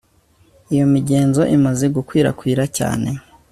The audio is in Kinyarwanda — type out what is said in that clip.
Iyo migenzo imaze gukwirakwira cyane